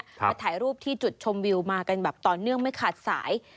มาถ่ายรูปที่จุดชมวิวมากันแบบต่อเนื่องไม่ขาดสาย